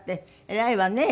偉いわね